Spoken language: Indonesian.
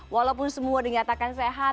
walaupun semua dinyatakan sehat